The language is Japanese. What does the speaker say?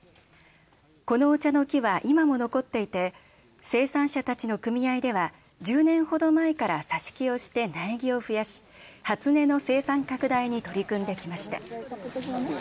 このお茶の木は今も残っていて生産者たちの組合では１０年ほど前から挿し木をして苗木を増やし初音の生産拡大に取り組んできました。